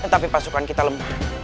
tetapi pasukan kita lemah